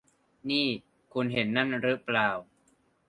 นี่ คุณเห็นนั่นรึเปล่า